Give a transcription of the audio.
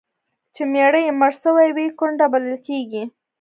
چي میړه یې مړ سوی وي، کونډه بلل کیږي.